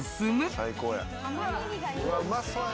最高や！